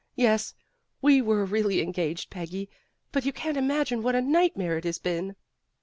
"Yes, we were really engaged, Peggy, but you can't imagine what a nightmare it has been."